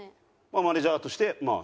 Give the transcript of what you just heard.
マネージャーとしてまあ